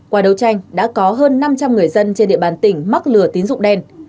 qua đấu tranh đã có hơn năm trăm linh người dân trên địa bàn tỉnh mắc lừa tín dụng đen